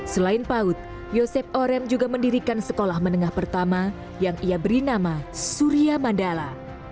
selain paut yosep orem juga mendirikan sekolah menengah pertama yang ia beri nama surya mandala